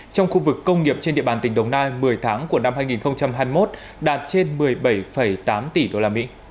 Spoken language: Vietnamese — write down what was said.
trong khu vực công nghiệp trên địa bàn tỉnh đồng nai một mươi tháng của năm hai nghìn hai mươi một đạt trên một mươi bảy tám tỷ usd